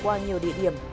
qua nhiều địa điểm